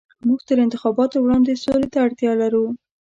موږ تر انتخاباتو وړاندې سولې ته اړتيا لرو.